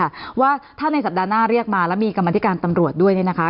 เพราะถ้าในสัดหน้าเรียกมาแล้วมีกรรมทิการตำรวจด้วยนะคะ